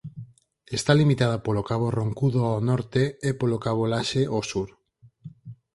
Está limitada polo cabo Roncudo ao norte e polo cabo Laxe ao sur.